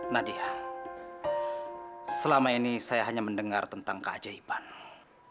nadia selama ini saya hanya mendengar tentang keajaiban